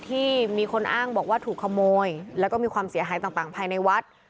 ที่มีคนอ้างบอกว่าถูกขโมยแล้วก็มีความเสียหายต่างภายในวัด